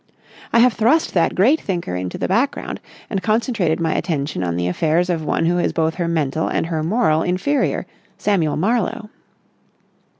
I have thrust that great thinker into the background and concentrated my attention on the affairs of one who is both her mental and her moral inferior, Samuel Marlowe.